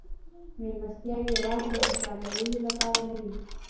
مېلمستیاوې یوازې د خوشحالولو لپاره نه وې.